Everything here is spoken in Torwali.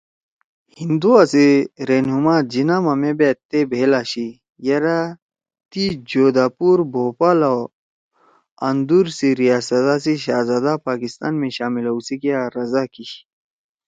ہندوا سی رہنما جناح ما مےبأت تے بھئیل آشی یرأ تی جودھ پور، بھوپال او اندور سی ریاستا سی شاہزدا پاکستان مے شامل ہؤ سی کیا رضا کیشی